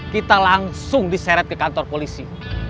kita langsung diseret ke kantor polisi